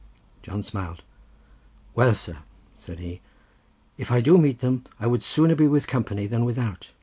John smiled. "Well, sir," said he, "if I do meet them I would sooner be with company than without.